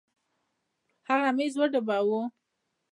هغه ميز وډباوه.